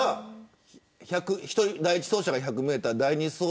第１走者が１００メートル